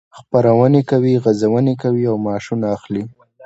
خپرونې کوي، غزونې کوي او معاشونه اخلي.